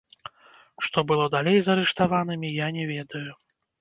Што было далей з арыштаванымі, я не ведаю.